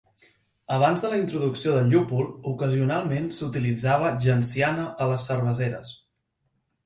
Abans de la introducció del llúpol, ocasionalment s"utilitzava genciana a les cerveseres.